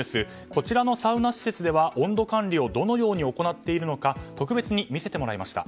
こちらのサウナ施設では温度管理をどのように行っているのか特別に見せてもらいました。